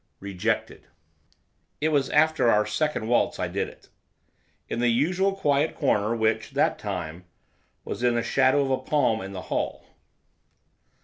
REJECTED It was after our second waltz I did it. In the usual quiet corner, which, that time, was in the shadow of a palm in the hall.